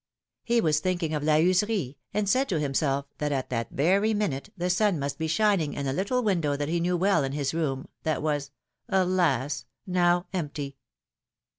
He was thinking of La Heuserie, and said to himself that at that very minute the sun must be shining in a little window that he knew well in his room, that was, alas ! now empty.